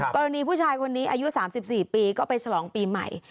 กรณีผู้ชายคนนี้อายุ๓๔ปีก็ไปฉลองปีใหม่